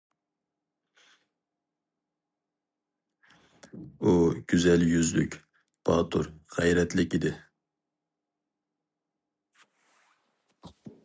ئۇ گۈزەل يۈزلۈك، باتۇر، غەيرەتلىك ئىدى.